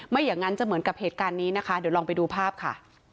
อย่างนั้นจะเหมือนกับเหตุการณ์นี้นะคะเดี๋ยวลองไปดูภาพค่ะ